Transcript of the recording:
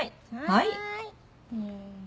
はい。